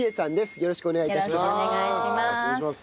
よろしくお願いします。